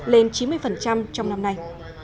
lên chín mươi trong năm nay